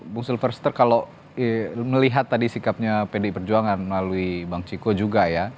bu sulver suter kalau melihat tadi sikapnya pdi perjuangan melalui bang ciko juga ya